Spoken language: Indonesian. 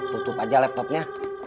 tutup aja laptopnya